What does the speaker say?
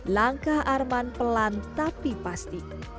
langkah arman pelan tapi pasti